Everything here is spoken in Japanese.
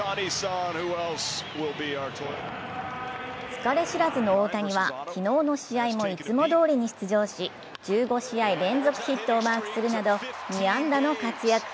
疲れ知らずの大谷は昨日の試合もいつもどおりに出場し１５試合連続ヒットをマークするなど、２安打の活躍。